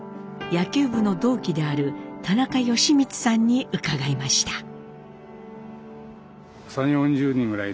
野球部の同期である田中良光さんに伺いました。